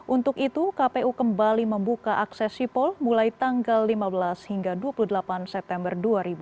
untuk itu kpu kembali membuka akses sipol mulai tanggal lima belas hingga dua puluh delapan september dua ribu dua puluh